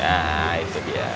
nah itu dia